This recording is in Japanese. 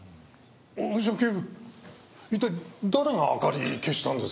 それじゃ警部一体誰が明かり消したんですか？